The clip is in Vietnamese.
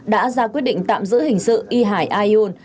đã ra quyết định tạm giữ hình sự y hải ayun